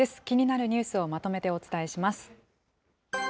気になるニュースをまとめてお伝えします。